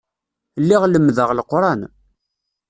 Lliɣ lemmdeɣ Leqran.